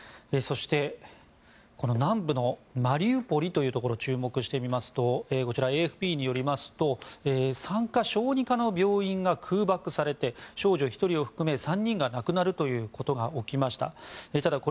そして、南部のマリウポリを注目してみますとＡＦＰによりますと産科・小児科の病院が空爆されて少女１人を含め３人が亡くなるということが起きました。